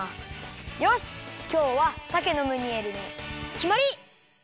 よしきょうはさけのムニエルにきまり！